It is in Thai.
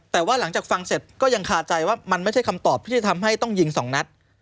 แต่ว่าหลังจากฟังเสร็จก็ยังคาใจว่ามันไม่ใช่คำตอบที่จะทำให้ต้องยิงสองนัด